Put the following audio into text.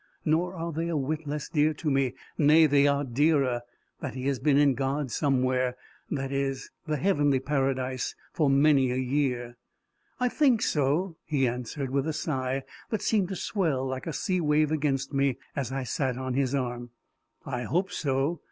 Nor are they a whit less dear to me, nay, they are dearer, that he has been in God's somewhere, that is, the heavenly paradise, for many a year. "I think so," he answered, with a sigh that seemed to swell like a sea wave against me, as I sat on his arm; " I hope so.